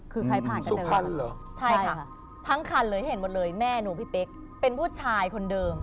คือใครผ่านกันเต็มคันเหรอใช่ค่ะทั้งคันเลยให้เห็นหมดเลยแม่หนูพี่เป๊กเป็นผู้ชายคนเดิม